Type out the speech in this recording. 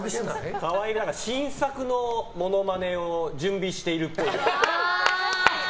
河合は新作のモノマネを準備してるっぽい。